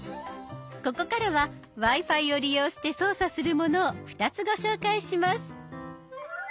ここからはＷｉ−Ｆｉを利用して操作するものを２つご紹介します。